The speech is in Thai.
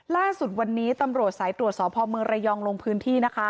ล่าสุดวันนี้ตำรวจสายตรวจสอบพ่อเมืองระยองลงพื้นที่นะคะ